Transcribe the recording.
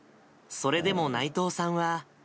それでも内藤さんは。